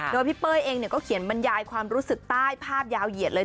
โดยพี่เป้ยเองก็เขียนบรรยายความรู้สึกใต้ภาพยาวเหยียดเลย